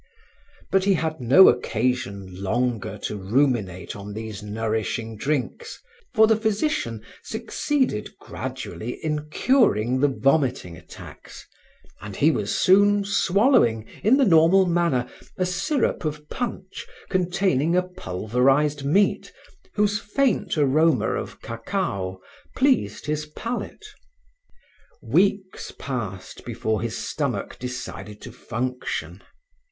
But he had no occasion longer to ruminate on these nourishing drinks, for the physician succeeded gradually in curing the vomiting attacks, and he was soon swallowing, in the normal manner, a syrup of punch containing a pulverized meat whose faint aroma of cacao pleased his palate. Weeks passed before his stomach decided to function.